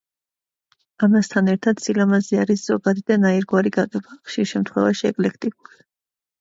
ამასთან ერთად, სილამაზე არის ზოგადი და ნაირგვარი გაგება, ხშირ შემთხვევაში ეკლექტიკური.